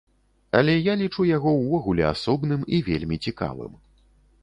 Але я лічу яго ўвогуле асобным і вельмі цікавым.